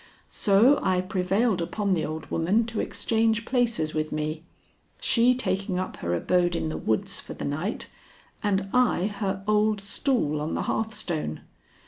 So I prevailed upon the old woman to exchange places with me; she taking up her abode in the woods for the night and I her old stool on the hearthstone.